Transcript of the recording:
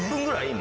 今。